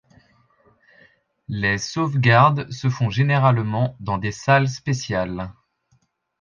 Les sauvegardes se font généralement dans des salles spéciales.